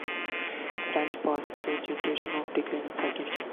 His branch passed through generations of declining circumstances.